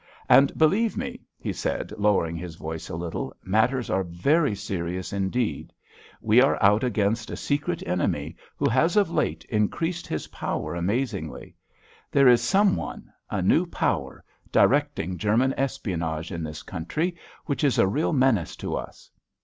And believe me," he said, lowering his voice a little, "matters are very serious indeed. We are out against a secret enemy, who has of late increased his power amazingly. There is some one—a new power—directing German espionage in this country, which is a real menace to us.